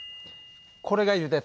これがゆで卵。